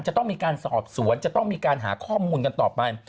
จะต้องมีการสอบสวนจะต้องมีการหาข้อมูลกันต่อไป